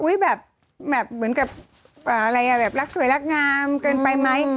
แบบเหมือนกับอะไรอ่ะแบบรักสวยรักงามเกินไปไหม